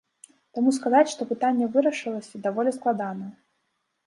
Таму сказаць, што пытанне вырашылася, даволі складана.